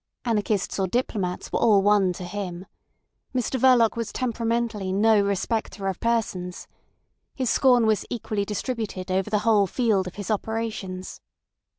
Anarchists or diplomats were all one to him. Mr Verloc was temperamentally no respecter of persons. His scorn was equally distributed over the whole field of his operations.